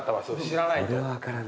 それ知らないと。